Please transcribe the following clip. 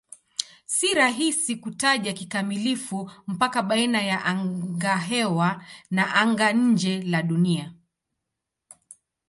Si rahisi kutaja kikamilifu mpaka baina ya angahewa na anga-nje la Dunia.